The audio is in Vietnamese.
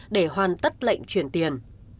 để hoàn tất lệnh chuyển tiền